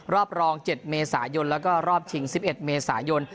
รอบรอง๗เมษายนแล้วก็รอบชิง๑๑เมษายน